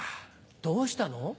どうしたの？